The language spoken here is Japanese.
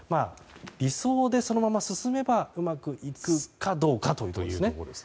理想でそのまま進めばうまくいくかどうか。